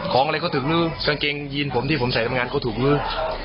อะไรก็ถึงลื้อกางเกงยีนผมที่ผมใส่ทำงานก็ถูกลื้อ